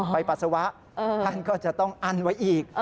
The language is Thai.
ปัสสาวะท่านก็จะต้องอั้นไว้อีก